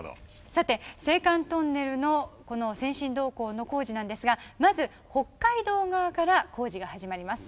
さて青函トンネルのこの先進導坑の工事なんですがまず北海道側から工事が始まります。